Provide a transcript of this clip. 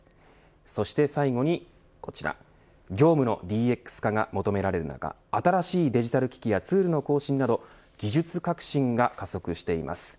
そして最後に、こちら業務のＤＸ化が求められる中新しいデジタル機器やツールの更新など技術革新が加速しています。